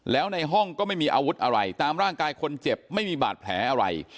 แล้วในห้องก็ไม่มีอาวุธอะไรตามร่างกายคนเจ็บไม่มีบาดแผลอะไร